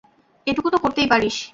এটুকু তো করতেই পারিস।